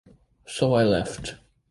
So I left.